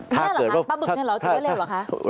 นี่หรอครับป้าบึกนี่หรอที่ว่าเร็วหรอครับ